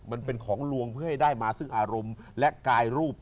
มันเป็นของลวงเพื่อให้ได้มาซึ่งอารมณ์และกายรูป